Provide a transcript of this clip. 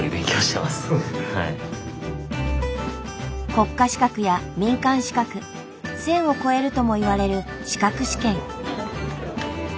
国家資格や民間資格１，０００を超えるともいわれる資格試験。